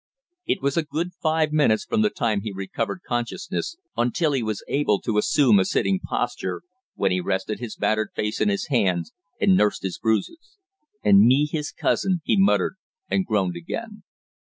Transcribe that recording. It was a good five minutes from the time he recovered consciousness until he was able to assume a sitting posture, when he rested his battered face in his hands and nursed his bruises. "And me his cousin!" he muttered, and groaned again.